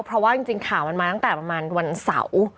เพราะว่าจริงข่าวมันมาตั้งแต่ประมาณวันเสาร์